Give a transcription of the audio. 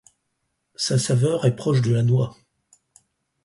Sa saveur est proche de la noix.